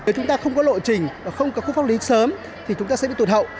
nếu chúng ta không có lộ trình không có khu pháp lý sớm thì chúng ta sẽ bị tụt hậu